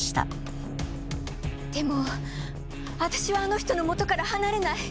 でもあたしはあの人のもとから離れない。